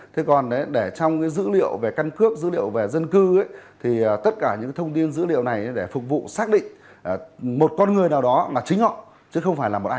thế còn để trong cái dữ liệu về căn cước dữ liệu về dân cư thì tất cả những thông tin dữ liệu này để phục vụ xác định một con người nào đó là chính họ chứ không phải là một ai